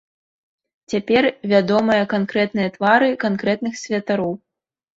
Цяпер вядомыя канкрэтныя твары канкрэтных святароў.